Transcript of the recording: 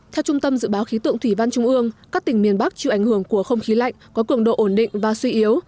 theo trung tâm dự báo khí tượng thủy văn trung ương các tỉnh miền bắc chịu ảnh hưởng của không khí lạnh có cường độ ổn định và suy yếu